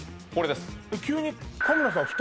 これです